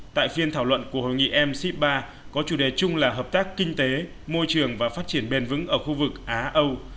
tại phiên thảo luận của hội nghị mc ba có chủ đề chung là hợp tác kinh tế môi trường và phát triển bền vững ở khu vực á âu